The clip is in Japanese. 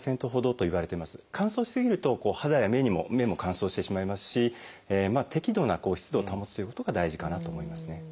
乾燥し過ぎると肌や目も乾燥してしまいますし適度な湿度を保つということが大事かなと思いますね。